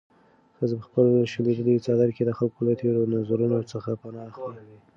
ښځه په خپل شلېدلي څادر کې د خلکو له تېرو نظرونو څخه پناه اخلي.